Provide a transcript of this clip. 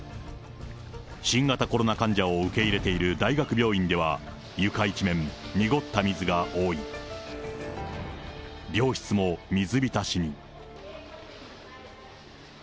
新型コロナ患者を受け入れている大学病院では、床一面、濁った水が覆い、病室も水浸しに。